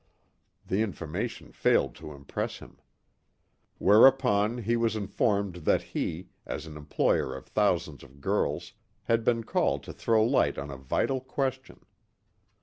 The information failed to impress him. Whereupon he was informed that he, as an employer of thousands of girls, had been called to throw light on a vital question.